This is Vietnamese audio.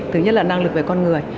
thứ nhất là năng lực về con người